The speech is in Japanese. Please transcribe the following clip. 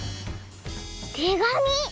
てがみ！